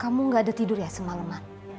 kamu gak ada tidur ya semalaman